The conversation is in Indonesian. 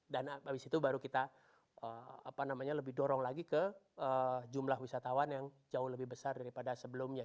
dan abis itu baru kita lebih dorong lagi ke jumlah wisatawan yang jauh lebih besar daripada sebelumnya